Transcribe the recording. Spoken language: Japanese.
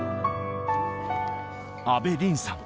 阿部凜さん